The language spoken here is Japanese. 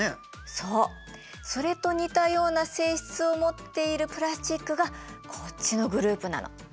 そうそれと似たような性質を持っているプラスチックがこっちのグループなの。